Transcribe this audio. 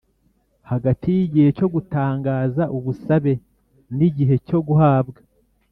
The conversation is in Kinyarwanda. Hagati y igihe cyo gutangaza ubusabe n igihe cyo guhabwa